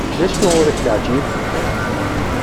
D acu ur ak-neεǧib?